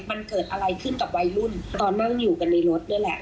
มันเกิดอะไรขึ้นกับวัยรุ่นตอนนั่งอยู่กันในรถด้วยแหละ